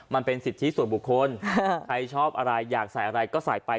มันเป็นสิทธิส่วนบุคคลใครชอบอะไรอยากใส่อะไรก็ใส่ไป